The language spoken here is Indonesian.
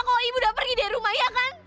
kok ibu udah pergi dari rumah ya kan